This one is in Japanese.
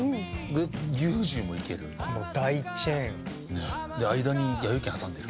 ねっで間にやよい軒挟んでる。